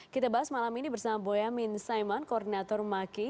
kita bahas malam ini bersama boyamin saiman koordinator maki